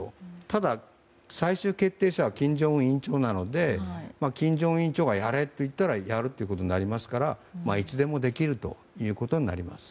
ただ、最終決定者は金正恩委員長なので金正恩委員長がやれと言えばやるということになりますからいつでもできるということになります。